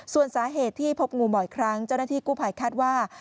ส่วนสาเหตุที่พบงูบ่อยครั้งเจ้าหน้าที่กู้ภัยคาดว่า